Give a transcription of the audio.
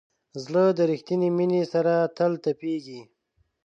زړه د ریښتینې مینې سره تل تپېږي.